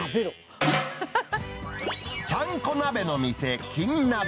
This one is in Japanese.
ちゃんこ鍋の店、金鍋。